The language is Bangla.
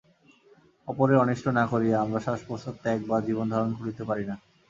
অপরের অনিষ্ট না করিয়া আমরা শ্বাসপ্রশ্বাসত্যাগ বা জীবনধারণ করিতে পারি না।